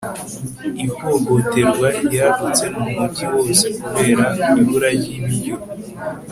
ihohoterwa ryadutse mu mujyi wose kubera ibura ry'ibiryo